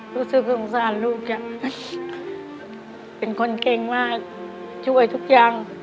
รู้สึกสงสารลูกจ้ะเป็นคนเก่งมากช่วยทุกอย่าง